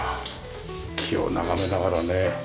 木を眺めながらね。